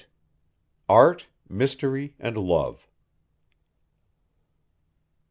ART, MYSTERY AND LOVE.